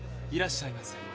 いらっしゃいませ。